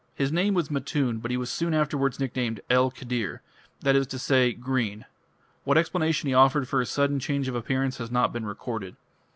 His name was Matun, but he was afterwards nicknamed "'El Khidr', that is to say, 'Green'". What explanation he offered for his sudden change of appearance has not been recorded.